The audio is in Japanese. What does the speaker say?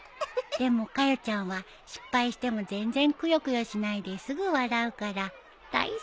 でもかよちゃんは失敗しても全然くよくよしないですぐ笑うから大好き